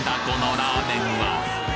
このラーメンは？